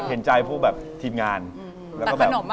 ผมเห็นใจผู้แบบทีมงานแล้วก็แบบตัดขนมอะ